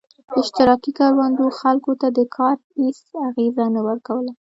اشتراکي کروندو خلکو ته د کار هېڅ انګېزه نه ورکوله